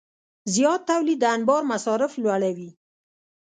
زیات تولید د انبار مصارف لوړوي.